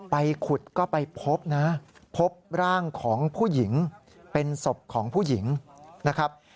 ไปขุดก็ไปพบนะพบร่างของผู้หญิงเป็นศพของผู้หญิงนะครับ